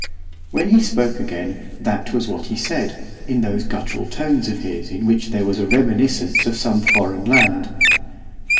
When he spoke again that was what he said, in those guttural tones of his in which there was a reminiscence of some foreign land.